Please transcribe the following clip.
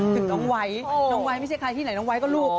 ถึงน้องไวท์น้องไว้ไม่ใช่ใครที่ไหนน้องไวท์ก็ลูก